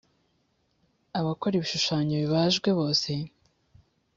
abakora ibishushanyo bibajwe bose